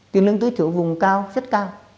tiền lương tư thiểu vùng cao rất cao